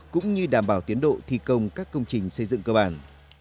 cũng như đảm bảo tiến độ thi công các công trình xây dựng cơ bản